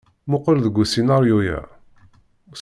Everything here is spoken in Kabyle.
Muqel deg usinaryu-ya.